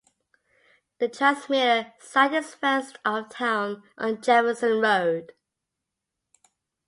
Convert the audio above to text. The transmitter site is west of town on Jefferson Road.